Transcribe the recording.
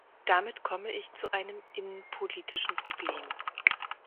Damit komme ich zu einem innenpolitischen Problem.